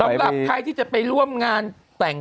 สำหรับใครที่จะไปร่วมงานแต่ง